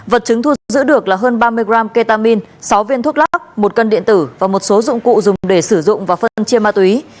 vật chứng thu giữ được là hơn ba mươi gram ketamin sáu viên thuốc lắc một cân điện tử và một số dụng cụ dùng để sử dụng và phân chia ma túy